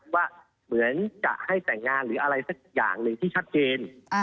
ว่าเหมือนจะให้แต่งงานหรืออะไรสักอย่างหนึ่งที่ชัดเจน